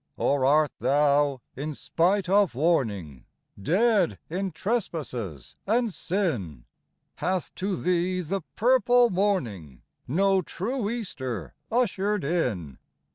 Or art thou, in spite of warning, Dead in trespasses and sin ? Hath to thee the purple morning No true Easter ushered in